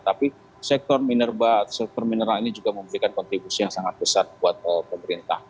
tapi sektor mineral ini juga memberikan kontribusi yang sangat besar buat pemerintah